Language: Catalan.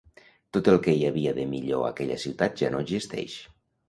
Tot el que hi havia de millor a aquella ciutat ja no existeix.